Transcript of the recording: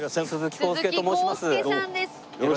鈴木浩介と申します。